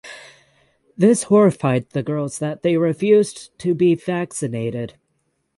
This horrified the girls that they refused to be vaccinated.